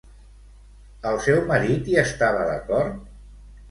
El seu marit hi estava d'acord?